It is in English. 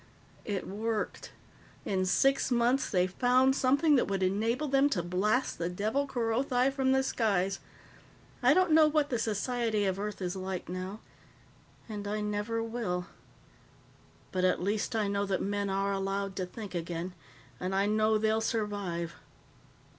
It worked. In six months, they found something that would enable them to blast the devil Kerothi from the skies. I don't know what the society of Earth is like now and I never will. But at least I know that men are allowed to think again. And I know they'll survive."